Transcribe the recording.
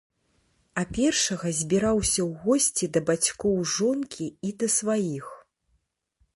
А першага збіраўся ў госці да бацькоў жонкі і да сваіх.